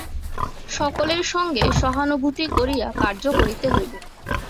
সকলের সঙ্গে সহানুভূতি করিয়া কার্য করিতে হইবে।